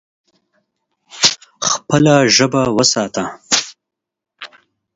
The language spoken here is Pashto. خپله ژبه وساته.